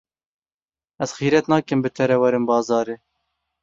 Ez xîret nakim bi te re werim bazarê.